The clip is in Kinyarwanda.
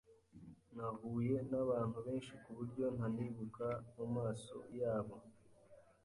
Nahuye nabantu benshi kuburyo ntanibuka mumaso yabo.